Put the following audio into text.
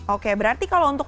oke berarti kalau untuk